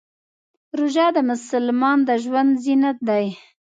روژه د مسلمان د ژوند زینت دی.